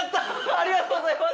ありがとうございます！